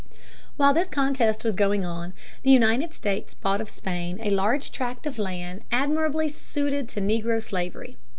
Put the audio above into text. While this contest was going on, the United States bought of Spain a large tract of land admirably suited to negro slavery.